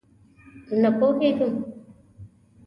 _نه پوهېږم!